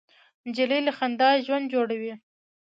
نجلۍ له خندا ژوند جوړوي.